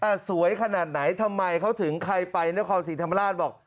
สวยขนาดไหนทำไมเขาถึงใครไปนครศรีธรรมราชบอก